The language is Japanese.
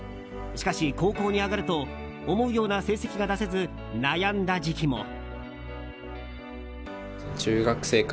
しかし、高校に上がると思うような成績が出せず悩んだ時期も。